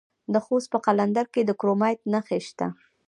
د خوست په قلندر کې د کرومایټ نښې شته.